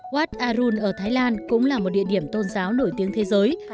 wat arun ở thái lan cũng là một địa điểm tôn giáo nổi tiếng thế giới